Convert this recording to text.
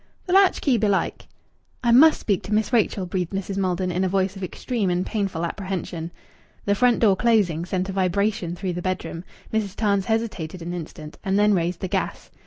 "Th' latch key belike." "I must speak to Miss Rachel," breathed Mrs. Maldon in a voice of extreme and painful apprehension. The front door closing sent a vibration through the bedroom. Mrs. Tarns hesitated an instant, and then raised the gas.